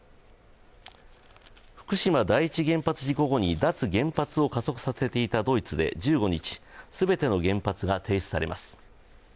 福島第一原発事故後に脱原発を加速させていたドイツで１５日全ての原発が停止されます。